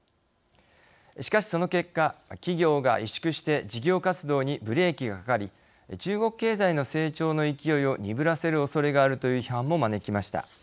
しかし、その結果企業が萎縮して事業活動にブレーキがかかり中国経済の成長の勢いを鈍らせるおそれがあるという批判も招きました。